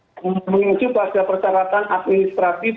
di situ seluruh pembangunan harus tetap mengunjungi persyaratan administratif